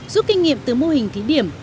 suốt kinh nghiệm từ mô hình kỷ điểm